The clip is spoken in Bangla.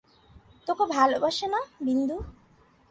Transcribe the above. তোকে ভালোবাসে না, বিন্দু?